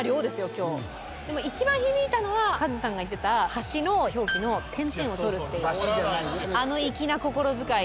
でも一番響いたのはカズさんが言ってた橋の表記の点々を取るっていうあの粋な心遣い。